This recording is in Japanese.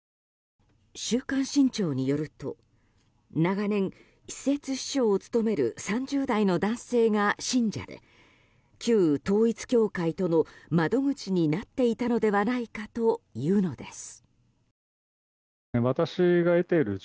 「週刊新潮」によると長年、私設秘書を務める３０代の男性が信者で旧統一教会との窓口になっていたのではないかというのです。